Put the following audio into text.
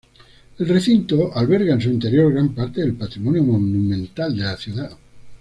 El recinto alberga en su interior gran parte del patrimonio monumental de la ciudad.